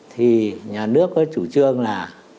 thì nhà nước chủ trương là